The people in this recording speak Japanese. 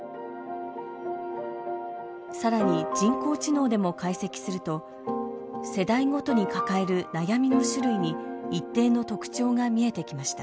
更に人工知能でも解析すると世代ごとに抱える悩みの種類に一定の特徴が見えてきました。